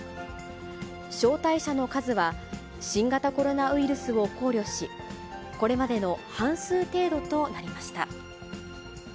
招待者の数は、新型コロナウイルスを考慮し、これまでの半数程度となりました。